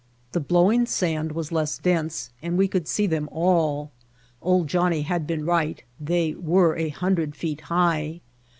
The blowing sand was less dense and we could see them all. ''Old Johnnie" had been right, they were a hun dred feet high.